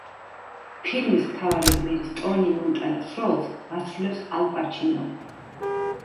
ფილმის მთავარი გმირის ტონი მონტანას როლს ასრულებს ალ პაჩინო.